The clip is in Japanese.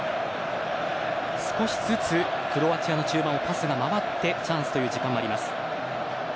少しずつクロアチアの中盤にパスが回ってチャンスという時間もあります。